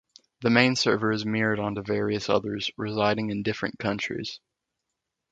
The main server is mirrored onto various others, residing in different countries.